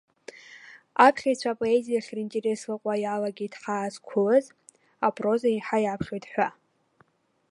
Аԥхьаҩцәа апоезиахь ринтерес лаҟәуа иалагеит ҳаазқәылаз, апроза еиҳа иаԥхьоит ҳәа.